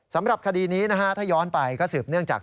สำหรับคดีนี้นะฮะถ้าย้อนไปก็สืบเนื่องจาก